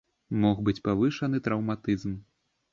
Мог быць павышаны траўматызм.